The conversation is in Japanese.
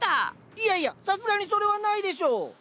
いやいやさすがにそれはないでしょう。